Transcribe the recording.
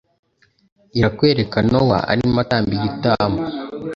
irakwereka Nowa arimo atamba igitambo